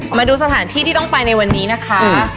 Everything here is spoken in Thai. มาดูสถานที่ที่ต้องไปในวันนี้นะคะ